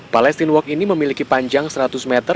palestine walk ini memiliki panjang seratus meter